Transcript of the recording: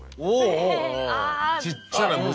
ちっちゃな虫。